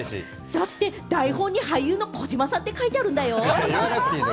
だって台本に俳優の児嶋さんって書いてあるんだもん。